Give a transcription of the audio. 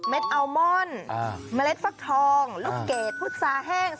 เม็ดอัลมอนด์อ่าเมล็ดฟักทองลูกเกดพุชซาแห้ง